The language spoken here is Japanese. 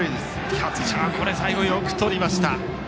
キャッチャーも最後よくとりました。